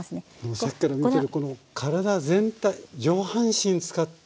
さっきから見てると体全体上半身使って。